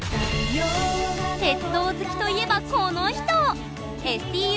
鉄道好きといえばこの人！